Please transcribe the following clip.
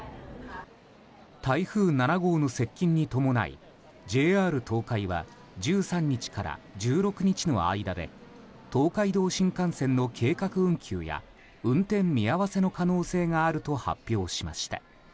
台風７号の接近に伴いＪＲ東海は１３日から１６日の間で東海道新幹線の計画運休や運転見合わせの可能性があると発表しました。